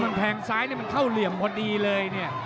มันแทงซ้ายเนี่ยมันเข้าเหลี่ยมพอดีเลยเนี่ย